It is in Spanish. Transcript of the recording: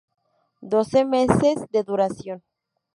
Doce meses de duración.